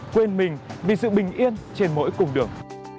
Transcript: quên mình vì sự bình yên trên mỗi cung đường